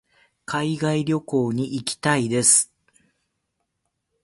海外旅行に行きたいです。